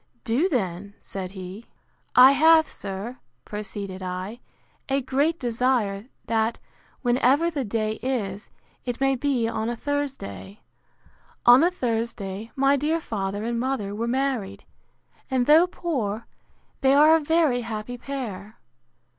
Do then, said he. I have, sir, proceeded I, a great desire, that, whenever the day is, it may be on a Thursday: On a Thursday my dear father and mother were married; and, though poor, they are a very happy pair.